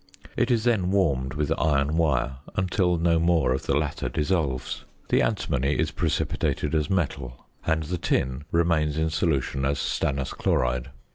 It is then warmed with iron wire until no more of the latter dissolves. The antimony is precipitated as metal, and the tin remains in solution as stannous chloride.